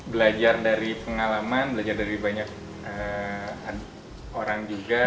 belajar dari pengalaman belajar dari banyak orang juga